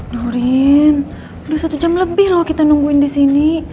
durin udah satu jam lebih loh kita nungguin di sini